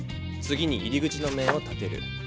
次に入り口の面を立てる。